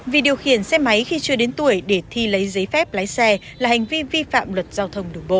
vì điều khiển xe máy khi chưa đến tuổi để thi lấy giấy phép lái xe là hành vi vi phạm luật giao thông đường bộ